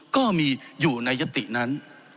ก็มีอยู่ในยตินั้น